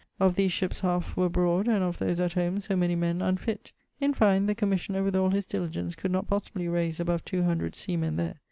Of these shipps halfe were abroad, and of those at home so many men unfit. In fine, the commissioner with all his diligence could not possibly rayse above 200 seamen there.